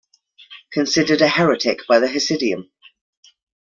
Considered a heretic by the Hasidim.